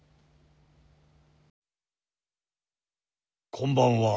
こんばんは。